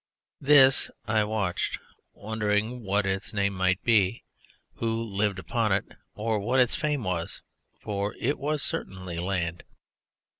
This I watched, wondering what its name might be, who lived upon it, or what its fame was; for it was certainly land.